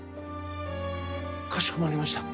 かしこまりました。